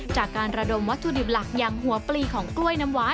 จากการระดมวัตถุดิบหลักอย่างหัวปลีของกล้วยน้ำว้า